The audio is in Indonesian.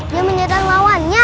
dia menyerang lawannya